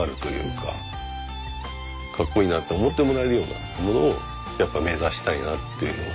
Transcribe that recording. かっこいいなと思ってもらえるようなものをやっぱ目指したいなっていうふうに。